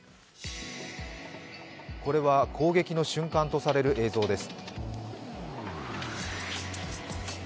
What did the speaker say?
これは攻撃の瞬間とされる映像です。